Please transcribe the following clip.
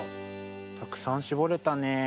たくさんしぼれたね。